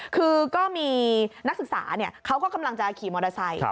คือก็มีนักศึกษาเขาก็กำลังจะขี่มอเตอร์ไซค์